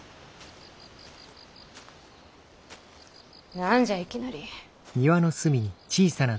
何じゃいきなり。